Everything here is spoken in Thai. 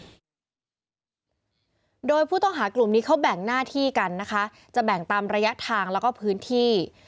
โดยผู้ต้องหากลุ่มนี้เขาแบ่งหน้าที่กันนะคะจะแบ่งตามระยะทางแล้วก็พื้นที่